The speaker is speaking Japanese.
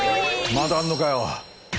まだあんのかよ。